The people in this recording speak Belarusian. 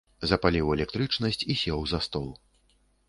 Запаліў электрычнасць і сеў за стол.